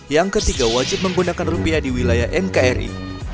yang ketiga wajib menggunakan rupiah di wilayah nkri